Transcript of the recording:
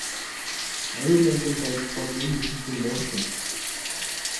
Ариун нандин байдал бол энэ ертөнцийн нууц юм.